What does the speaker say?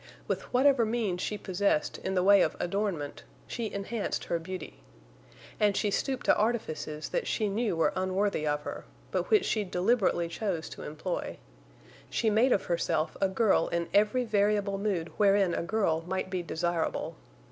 With whatever means she possessed in the way of adornment she enhanced her beauty. And she stooped to artifices that she knew were unworthy of her, but which she deliberately chose to employ. She made of herself a girl in every variable mood wherein a girl might be desirable.